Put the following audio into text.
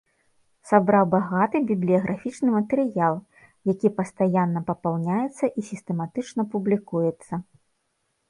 Сабраў багаты бібліяграфічны матэрыял, якія пастаянна папаўняецца і сістэматычна публікуецца.